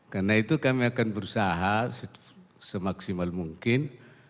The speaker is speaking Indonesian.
karena itu kami akan berusaha semaksimal mungkin